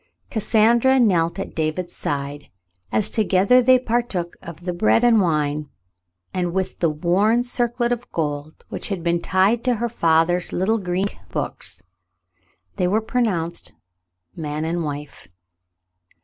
Cassandra knelt at David's side, as together they partook of the bread and wine, and with the worn circlet of gold which had been tied to her father's little Greek books, they were pronounced man and wife.